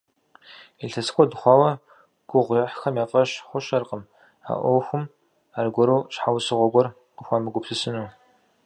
Илъэс куэд хъуауэ гугъу ехьхэм я фӀэщ хъущэркъым а Ӏуэхум аргуэру щхьэусыгъуэ гуэр къыхуамыгупсысыну.